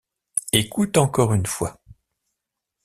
Écoute encore une fois.